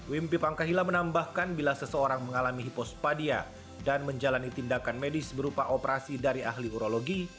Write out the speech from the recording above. wimpi pangkahila menambahkan bila seseorang mengalami hipospadia dan menjalani tindakan medis berupa operasi dari ahli urologi